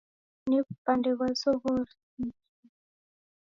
Na w'upande ghwa zoghori, ni kihi?